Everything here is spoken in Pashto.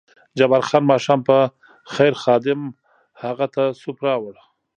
جبار خان: ماښام په خیر، خادم هغه ته سوپ راوړ.